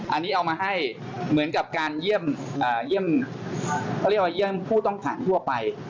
อันนี้เอามาให้เหมือนกับการเยี่ยมผู้ต้องการทั่วไป